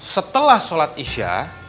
setelah sholat isya